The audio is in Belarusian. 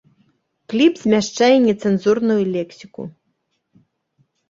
Кліп змяшчае нецэнзурную лексіку!